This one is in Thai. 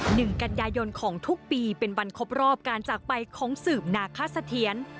หนึ่งกันยายนของทุกปีเป็นวันครบรอบการจากไปของสืบนาคสะเทียน